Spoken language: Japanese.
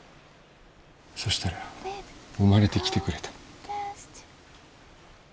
そしたら生まれてきてくれた。